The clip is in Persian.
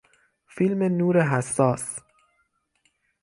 فیلم نور حساس